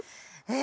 え。